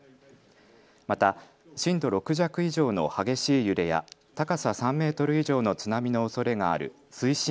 また震度６弱以上の激しい揺れや高さ３メートル以上の津波のおそれがある推進